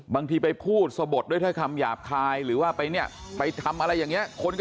บางทีไปพูดสะบดด้วยถ้อยคำหยาบคายหรือว่าไปเนี่ยไปทำอะไรอย่างนี้